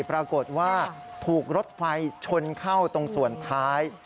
ปรากฏว่าถูกรถไฟชนเข้าตรงส่วนท้าย